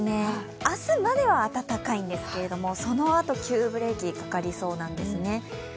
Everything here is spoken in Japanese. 明日までは暖かいんですけど、そのあと、急ブレーキかかりそうなんですね